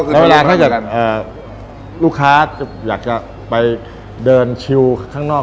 แล้วเวลาถ้าเกิดลูกค้าอยากจะไปเดินชิวข้างนอก